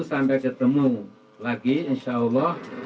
sampai ketemu lagi insya allah